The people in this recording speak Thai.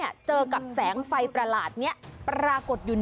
มือบับเหลือมือบับเหลือ